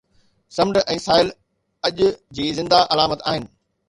سمنڊ ۽ ساحل اڃ جي زنده علامت آهن